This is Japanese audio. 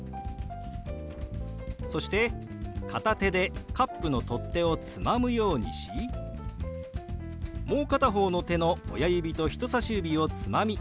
そして片手でカップの取っ手をつまむようにしもう片方の手の親指と人さし指をつまみかき混ぜるように動かします。